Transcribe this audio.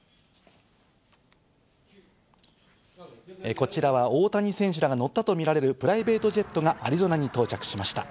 こちらは大谷選手らが乗ったとみられるプライベートジェットがアリゾナに到着しました。